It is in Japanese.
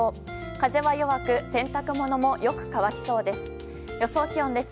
風は弱く洗濯物もよく乾きそうです。